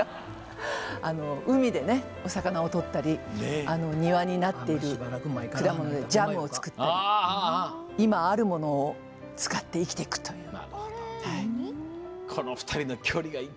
海で、お魚をとったり庭になっている果物でジャムを作ったり今あるものを使って生きていくという。